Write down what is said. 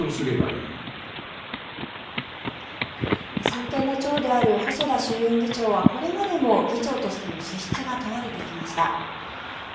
三権の長である細田衆院議長はこれまでも議長としての資質が問われてきました。